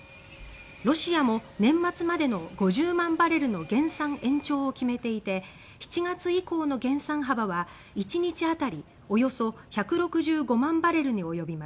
ロシアも年末までの５０万バレルの減産延長を決めていて７月以降の減産幅は日量およそ１６５万バレルに及びます。